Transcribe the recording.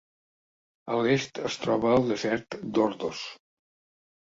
A l'est es troba el desert d'Ordos.